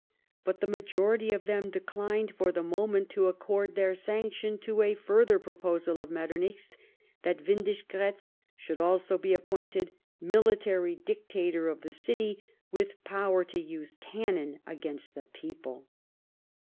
But the majority of them declined, for the moment, to accord their sanction to a further proposal of Metternich's, that Windischgratz should also be appointed military dictator of the city, with power to use cannon against the people.